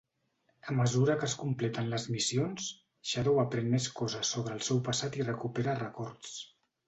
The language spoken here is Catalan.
A mesura que es completen les missions, Shadow aprèn més coses sobre el seu passat i recupera records.